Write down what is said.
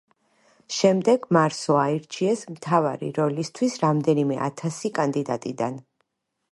შედეგად, მარსო აირჩიეს მთავარი როლისთვის რამდენიმე ათასი კანდიდატიდან.